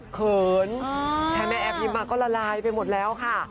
เขินแค่แม่แอฟยิ้มมาก็ละลายไปหมดแล้วค่ะ